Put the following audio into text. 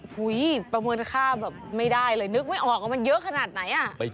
ประเมินค่าแบบไม่ได้เลยนึกไม่ออกว่ามันเยอะขนาดไหนอ่ะ